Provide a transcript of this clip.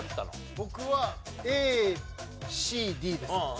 僕はＡＣＤです。